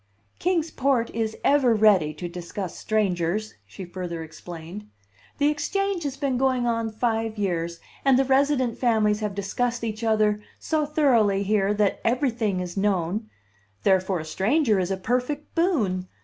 "Kings Port is ever ready to discuss strangers," she further explained. "The Exchange has been going on five years, and the resident families have discussed each other so thoroughly here that everything is known; therefore a stranger is a perfect boon."